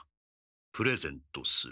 プレゼントする。